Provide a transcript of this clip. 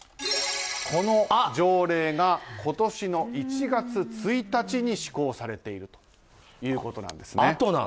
この条例が今年の１月１日に施行されているということなんです。